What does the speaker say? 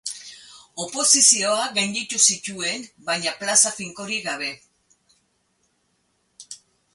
Oposizioak gainditu zituen, baina plaza finkorik gabe.